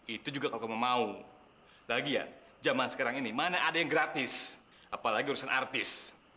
itu juga kalau kamu mau lagi ya zaman sekarang ini mana ada yang gratis apalagi urusan artis